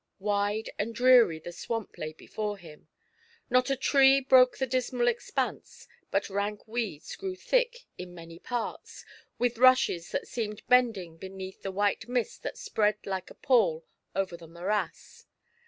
Wide and dreary the swamp lay before him ; not a tree broke the dismal expanse, but rank weeds grew thick in many parts, with rushes that seemed bending beneath the white mist that spread like a pall over the morass.